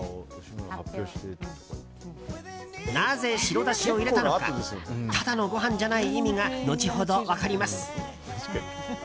なぜ白だしを入れたのかただのご飯じゃない意味が後ほど分かります。